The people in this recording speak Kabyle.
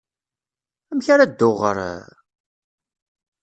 Amek ara dduɣ ɣer...?